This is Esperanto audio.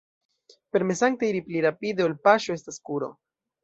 Permesante iri pli rapide ol paŝo estas kuro.